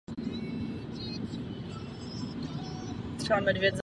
Neměl by se zvážit také tento případ?